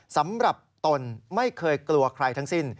สำหรับตนไม่เคยกลัวใครทั้งสิ้น